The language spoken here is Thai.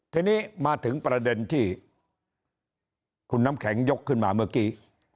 ทีนี้มาถึงประเด็นที่คุณน้ำแข็งยกขึ้นมาเมื่อกี้